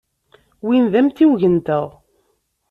Win d amtiweg-nteɣ.